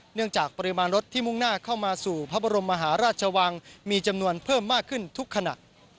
เนื่องจากปริมาณรถที่มุ่งหน้าเข้ามาสู่พระบรมมหาราชวังมีจำนวนเพิ่มมากขึ้นทุกขณะ